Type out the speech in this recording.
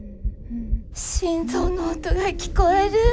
心臓の音が聞こえる。